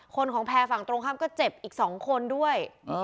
ของแพร่ฝั่งตรงข้ามก็เจ็บอีก๒คนด้วย